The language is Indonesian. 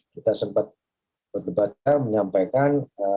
kita sempat berdebatkan menyampaikan